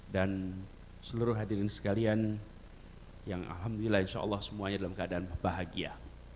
dan seluruh hadirin sekalian yang alhamdulillah insya allah semuanya dalam keadaan bahagia